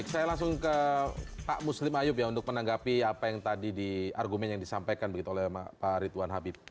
baik saya langsung ke pak muslim ayub ya untuk menanggapi apa yang tadi di argumen yang disampaikan begitu oleh pak ridwan habib